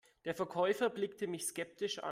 Der Verkäufer blickte mich skeptisch an.